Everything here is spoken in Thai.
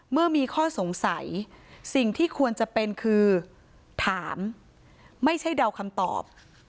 เมื่อมีข้อสงสัยสิ่งที่ควรจะเป็นคือถามไม่ใช่เดาคำตอบ